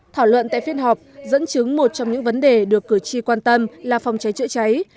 thảo luận tại phiên họp dẫn chứng một trong những vấn đề được cử tri quan tâm là phòng cháy chữa cháy